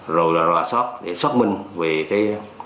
rồi là ròa sóc để sóc minh về cái